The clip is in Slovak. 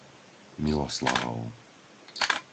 Miloslavov